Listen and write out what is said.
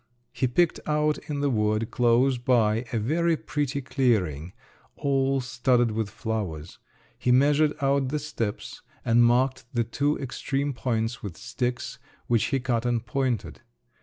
He picked out in the wood close by a very pretty clearing all studded with flowers; he measured out the steps, and marked the two extreme points with sticks, which he cut and pointed.